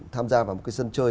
tham gia vào một cái sân chơi